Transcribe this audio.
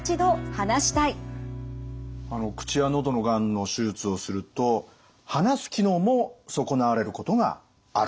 口や喉のがんの手術をすると話す機能も損なわれることがあると。